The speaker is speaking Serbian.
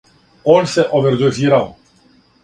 Он се овердозирао!